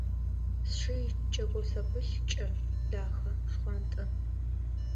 Сшы икӏэко зэпылъ кӏэ, дахэ, шхъуантӏэ.